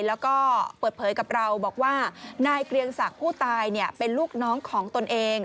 แล้วก็เปิดเผยกับเราบอกว่านายเกรียงศักดิ์ผู้ตายเป็นลูกน้องของตนเอง